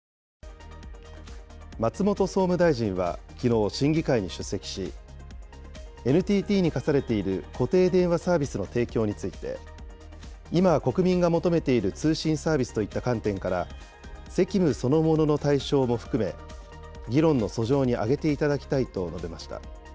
松本総務大臣は、きのう審議会に出席し、ＮＴＴに課されている固定電話サービスの提供について、今、国民が求めている通信サービスといった観点から、責務そのものの対象も含め、議論のそ上に上げていただきたいと述べました。